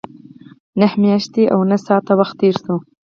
نهه میاشتې او نهه ساعته وخت تېر شو.